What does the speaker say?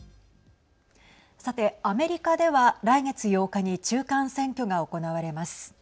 さて、アメリカでは来月８日に中間選挙が行われます。